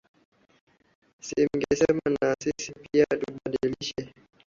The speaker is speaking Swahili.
Si mngesema na sisi pia tubadilishe